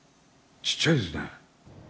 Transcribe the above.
ちっちゃいですね。